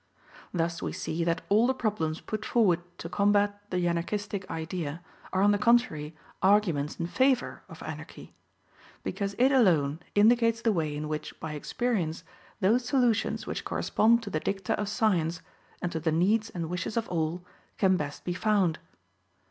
Thus we see that all the problems put forward to combat the Anarchistic idea are on the contrary arguments in favor of Anarchy; because it alone indicates the way in which, by experience, those solutions which correspond to the dicta of science, and to the needs and wishes of all, can best be found.